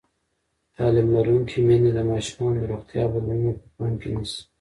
تعلیم لرونکې میندې د ماشومانو د روغتیا بدلونونه په پام کې نیسي.